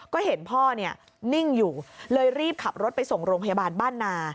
ก็เห็นพ่อเนี่ยนิ่งอยู่เลยรีบขับรถไปส่งโรงพยาบาลบ้านนา